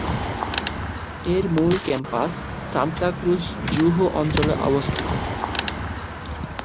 এর মূল ক্যাম্পাস সান্তাক্রুজ-জুহু অঞ্চলে অবস্থিত।